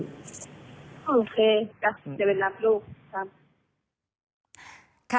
โอเคจะไปรับลูก